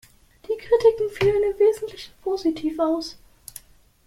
Die Kritiken fielen im Wesentlichen positiv aus.